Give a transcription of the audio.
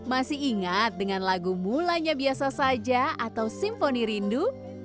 masih ingat dengan lagu mulanya biasa saja atau simfoni rindu